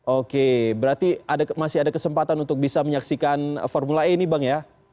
oke berarti masih ada kesempatan untuk bisa menyaksikan formula e ini bang ya